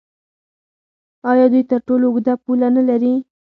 آیا دوی تر ټولو اوږده پوله نلري؟